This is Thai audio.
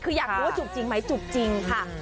คืออยากรู้ว่าจุกจริงไหมจุกจริงค่ะ